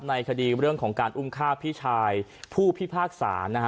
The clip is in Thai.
ในคดีเรื่องของการอุ้มฆ่าพี่ชายผู้พิพากษานะฮะ